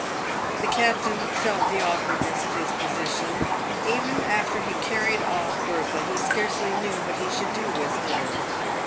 The captain felt the awkwardness of his position. Even after he carried off ' Bertha, he scarcely knew what he should do with her.